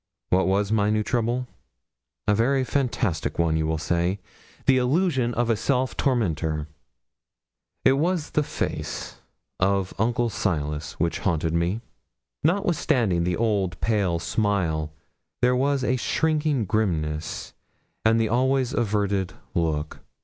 What was my new trouble? A very fantastic one, you will say the illusion of a self tormentor. It was the face of Uncle Silas which haunted me. Notwithstanding the old pale smile, there was a shrinking grimness, and the always averted look.